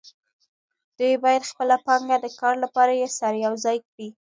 دوی باید خپله پانګه د کار لپاره سره یوځای کړي